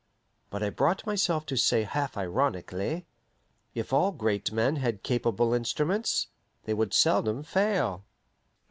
But I brought myself to say half ironically, "If all great men had capable instruments, they would seldom fail."